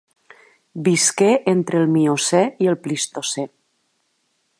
Visqué entre el Miocè i el Plistocè.